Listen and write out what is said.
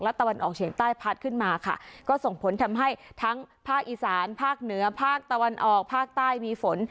ตะวันออกเฉียงใต้พัดขึ้นมาค่ะก็ส่งผลทำให้ทั้งภาคอีสานภาคเหนือภาคตะวันออกภาคใต้มีฝน